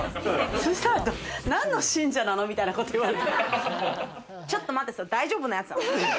そしたら、何の信者なの？みたいなこと言われて。